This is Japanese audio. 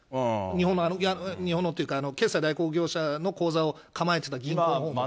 日本の、日本のっていうか決済代行業者の口座を構えてた銀行のほうも。